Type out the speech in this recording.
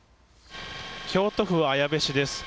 京都府は綾部市です。